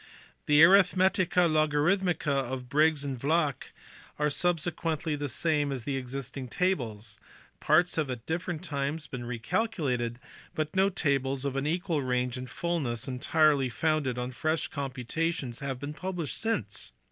The Aritk metica Logarithmica of Briggs and Vlacq are substantially the same as the existing tables : parts have at different times been recalculated, but no tables of an equal range and fulness entirely founded on fresh computations have been published since.